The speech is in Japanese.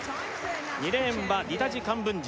２レーンはディタジ・カンブンジ